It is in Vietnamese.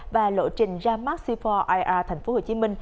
và lộ trình ra mắt c bốn ir tp hcm